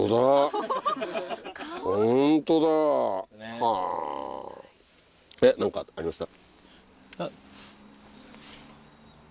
はぁえっ何かありました？